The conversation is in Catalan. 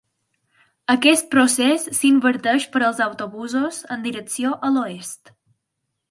Aquest procés s'inverteix per als autobusos en direcció a l'oest.